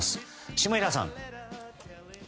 下平さん。